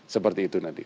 seperti itu nanti